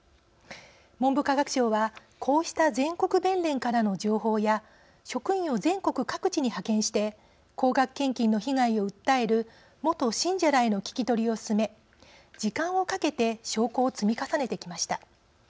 文部科学省はこうした全国弁連からの情報や職員を全国各地に派遣して高額献金の被害を訴える元信者らへの聞き取りを進め時間をかけて証拠を積み重ねてきました。